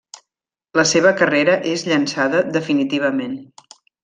La seva carrera és llançada definitivament.